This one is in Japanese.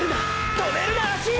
止めるな脚！！